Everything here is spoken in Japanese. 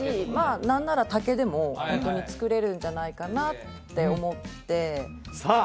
何なら竹でもホントに作れるんじゃないかなって思ってさあ